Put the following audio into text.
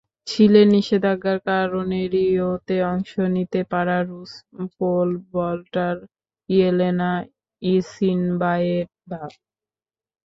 ছিলেন নিষেধাজ্ঞার কারণে রিওতে অংশ নিতে পারা রুশ পোল ভল্টার ইয়েলেনা ইসিনবায়েভা।